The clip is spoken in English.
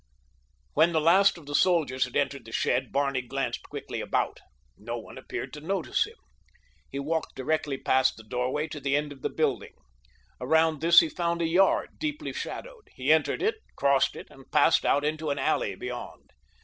When the last of the soldiers had entered the shed Barney glanced quickly about. No one appeared to notice him. He walked directly past the doorway to the end of the building. Around this he found a yard, deeply shadowed. He entered it, crossed it, and passed out into an alley beyond.